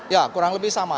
ya kurang lebih sama